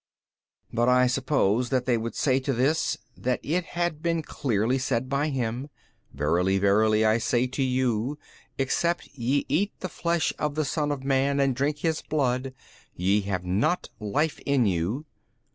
B. But I suppose that they would say to this, that it had been clearly said by Him, Verily verily I say to you, except ye eat the flesh of the Son of man and drink His blood, ye have not life in you.